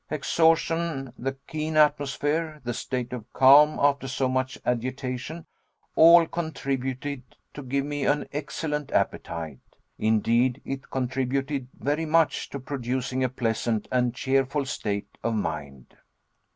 Exhaustion, the keen atmosphere, the state of calm after so much agitation, all contributed to give me an excellent appetite. Indeed, it contributed very much to producing a pleasant and cheerful state of mind.